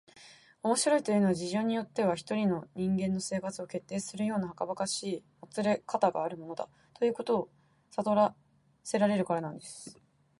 「面白いというのは、事情によっては一人の人間の生活を決定するようなばかばかしいもつれかたがあるものだ、ということをさとらせられるからなんです」